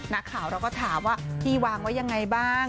นักข่าวเราก็ถามว่าพี่วางไว้ยังไงบ้าง